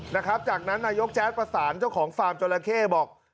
นะครับจากนั้นนายกแจ๊ดประสานเจ้าของฟาร์มจราเข้บอก